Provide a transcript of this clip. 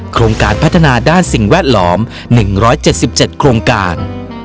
โครงการพัฒนาด้านสิ่งแวดล้อม๑๗๗โครงการ